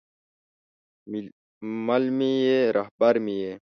مل مې یې، رهبر مې یې